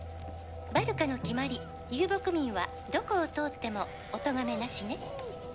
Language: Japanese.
「バルカの決まり」「遊牧民はどこを通ってもおとがめなしね」